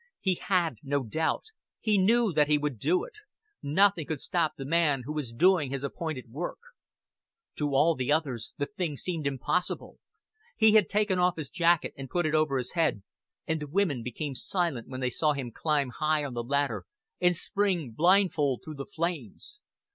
He had no doubt; he knew that he would do it. Nothing could stop the man who was doing his appointed work. To all others the thing seemed impossible. He had taken off his jacket and put it over his head, and the women became silent when they saw him climb high on the ladder and spring blindfold through the flames.